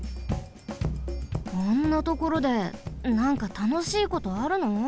あんなところでなんかたのしいことあるの？